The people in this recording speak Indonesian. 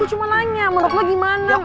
gue cuma nanya menurut lo gimana ma